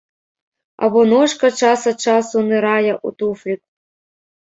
Або ножка час ад часу нырае ў туфлік.